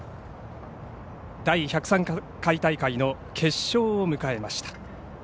第１０３回大会の決勝を迎えました。